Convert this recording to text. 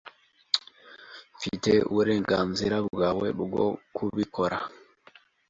Mfite uburenganzira bwawe bwo kubikora?